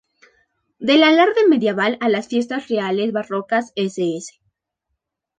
Del Alarde Medieval a las Fiestas Reales Barrocas ss.